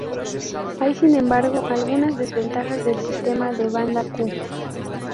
Hay, sin embargo, algunas desventajas del sistema de banda Ku.